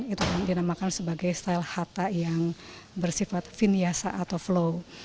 itu kan dinamakan sebagai style hatha yang bersifat vinyasa atau flow